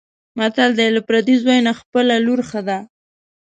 متل دی: له پردي زوی نه خپله لور ښه ده.